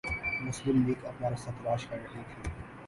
مسلم لیگ اپنا راستہ تلاش کررہی تھی۔